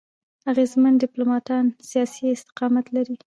اغېزمن ډيپلوماټان سیاسي استقامت لري.